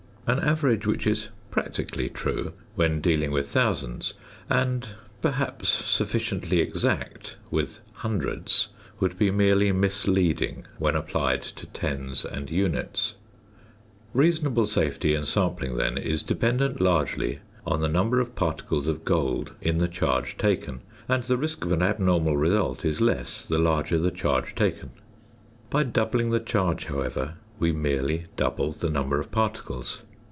An average which is practically true when dealing with thousands, and perhaps sufficiently exact with hundreds, would be merely misleading when applied to tens and units. Reasonable safety in sampling, then, is dependent largely on the number of particles of gold in the charge taken, and the risk of an abnormal result is less, the larger the charge taken. By doubling the charge, however, we merely double the number of particles.